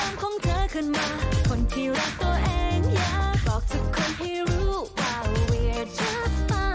ฤีรากันร้อยค่ะความพร้อมของเสียงขนาดกี่ขนาดให้กันเลยเอาไปเลยค่ะ